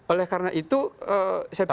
oleh karena itu saya pikir